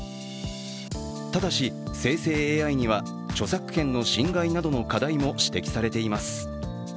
ただし生成ＡＩには著作権の侵害などの課題も指摘されています。